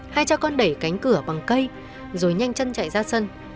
hai cha con đẩy cánh cửa bằng cây rồi nhanh chân chạy ra sân